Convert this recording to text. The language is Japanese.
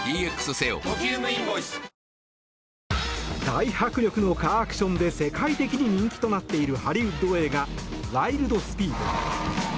大迫力のカーアクションで世界的に人気となっているハリウッド映画「ワイルド・スピード」。